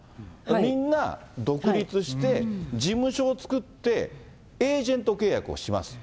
みんな独立して、事務所を作って、エージェント契約をします。